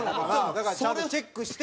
だからちゃんとチェックして。